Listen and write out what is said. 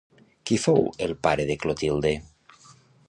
Qui fou el pare de Clotilde?